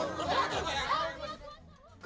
keturkan yang hukum tapi itu suku